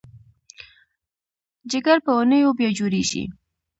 جګر په اونیو بیا جوړېږي.